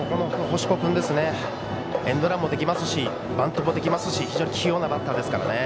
星子君エンドランもできますしバントもできますし非常に器用なバッターです。